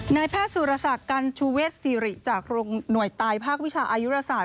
นายแพทย์สุรศักดิ์กันชูเวชสิริจากหน่วยตายภาควิชาอายุราศาสต